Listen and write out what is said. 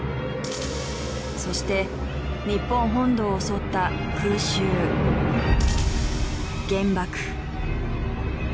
そして日本本土を襲った空襲原爆。